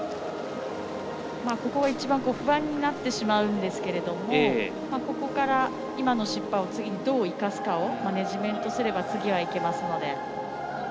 ここが一番不安になってしまうんですけどここから、今の失敗を次にどう生かすかマネージメントすれば次はいけますので。